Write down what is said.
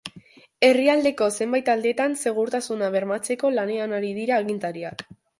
Herrialdeko zenbait aldetan segurtasuna bermatzeko lanean ari dira agintariak.